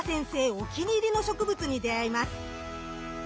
お気に入りの植物に出会います。